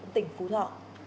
tỉnh phú thọ